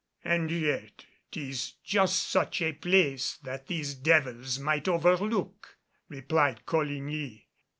"And yet 'tis just such a place that these devils might overlook," replied Coligny.